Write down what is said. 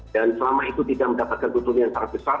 dan selama itu tidak mendapatkan keuntungan yang sangat besar